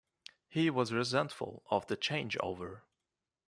He was resentful of the change over.